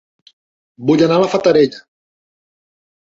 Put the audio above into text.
Vull anar a La Fatarella